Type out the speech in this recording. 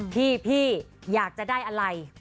พี่อยากจะได้อะไร